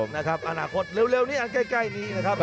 อนาคตเร็วนี้อันใกล้นี้นะครับ